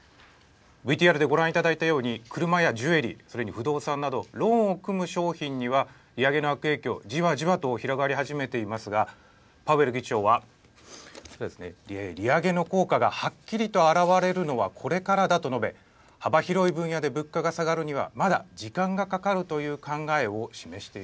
ＶＴＲでご覧いただいたように車やジュエリーそれに不動産などローンを組む商品には利上げの悪影響じわじわと広がり始めていますがパウエル議長は利上げの効果がはっきりとあらわれるのはこれからだと述べ幅広い分野で物価が下がるにはまだ時間がかかるはい。